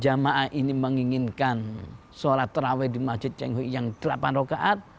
jamaah ini menginginkan sholat taraweh di masjid cheng ho yang delapan rokaat